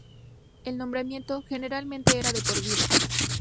El nombramiento, generalmente, era de por vida.